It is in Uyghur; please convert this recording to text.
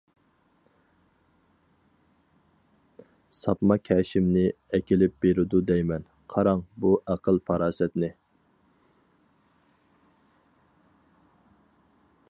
ساپما كەشىمنى ئەكېلىپ بېرىدۇ دەيمەن... قاراڭ، بۇ ئەقىل- پاراسەتنى!